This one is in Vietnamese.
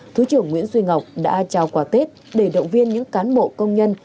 thứ trưởng nguyễn duy ngọc đã trao quà tết để động viên những cán bộ công nhân